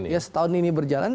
ya setahun ini berjalan